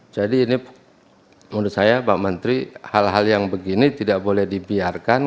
jadi ini menurut saya pak menteri hal hal yang begini tidak boleh dibiarkan